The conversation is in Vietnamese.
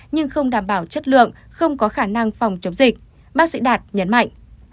nhưng không đảm bảo chất lượng không có khả năng phòng chống dịch bác sĩ đạt nhấn mạnh